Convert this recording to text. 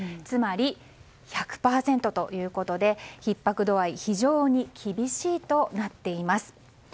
つまり、１００％ということでひっ迫度合い非常に厳しいとなっています。